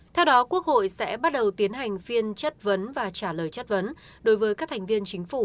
theo đó quốc hội sẽ bắt đầu tiến hành phiên chất vấn và trả lời chất vấn đối với các thành viên chính phủ